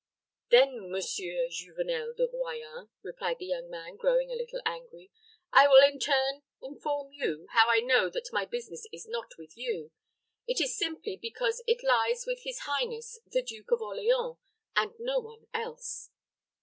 "Then, Monsieur Juvenel de Royans," replied the young man, growing a little angry, "I will in turn inform you how I know that my business is not with you. It is simply because it lies with his highness, the Duke of Orleans, and no one else."